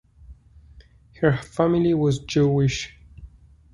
Her family was Jewish.